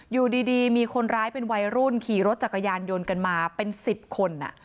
อยู่ดีมีคนร้ายเป็นวัยรุ่นขี่รถจักรยานยนต์กันมาเป็น๑๐คน